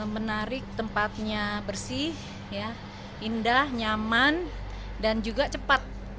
menarik tempatnya bersih indah nyaman dan juga cepat